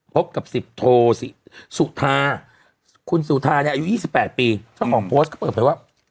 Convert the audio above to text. พบกับสิบโทสุทาคุณสุทาเนี่ยอายุยี่สิบแปดปีช่องของโพสต์ก็เปิดไปว่า